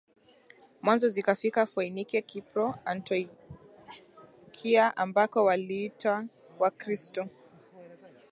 mwanzo zikafika Foinike Kipro Antiokia ambako waliitwa Wakristo